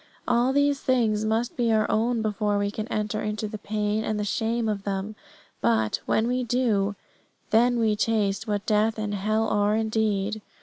All these things must be our own before we can enter into the pain and the shame of them; but, when we do, then we taste what death and hell are indeed.